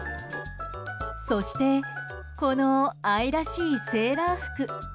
そしてこの愛らしいセーラー服。